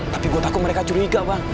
tapi gua takut mereka curiga bang